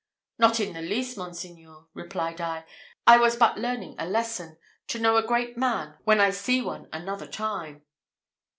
"Not in the least, monseigneur," replied I; "I was but learning a lesson: to know a great man when I see one another time."